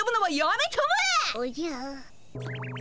おじゃ。